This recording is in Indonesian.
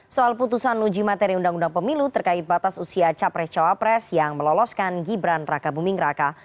soal putusan uji materi undang undang pemilu terkait batas usia capres cawapres yang meloloskan gibran raka buming raka